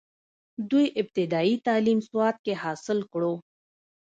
دوي ابتدائي تعليم سوات کښې حاصل کړو،